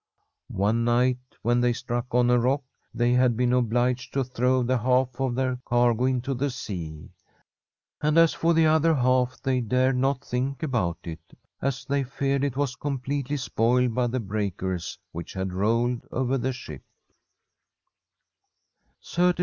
One night, when they struck on a rock, they had been obliged to throw the half of their cargo into the sea. And as for the other half, they dared not think about it, as they feared it was completely Fr9m a SfFEDISH HOMESTEAD spoiled by the breakers which had rolled over the ship.